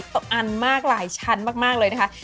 จะตกอันมากหลายชั้นเมื่อมีมั้ยกัน